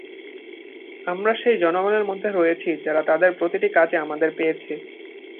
আমরা সেই জনগণের মধ্যে রয়েছি, যারা তাদের প্রতিটি কাজে আমাদের পেয়েছে।